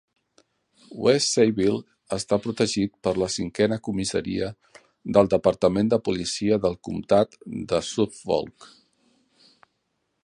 West Sayville està protegit per la cinquena comissaria del Departament de Policia del Comtat de Suffolk.